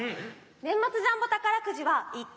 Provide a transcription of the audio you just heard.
年末ジャンボ宝くじは１等